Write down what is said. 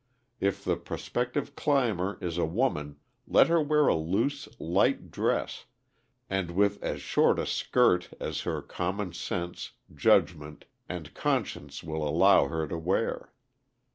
If the prospective climber is a woman, let her wear a loose, light dress, and with as short a skirt as her common sense, judgment, and conscience will allow her to wear.